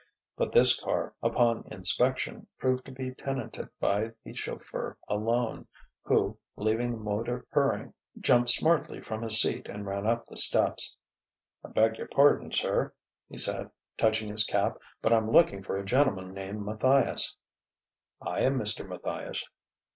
But this car, upon inspection, proved to be tenanted by the chauffeur alone; who, leaving the motor purring, jumped smartly from his seat and ran up the steps. "I beg your pardon, sir," he said, touching his cap, "but I'm looking for a gentleman named Matthias " "I am Mr. Matthias."